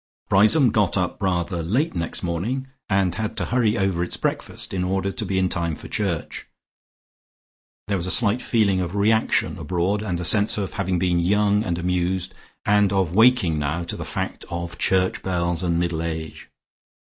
Riseholme got up rather late next morning, and had to hurry over its breakfast in order to be in time for church. There was a slight feeling of reaction abroad, and a sense of having been young and amused, and of waking now to the fact of church bells and middle age.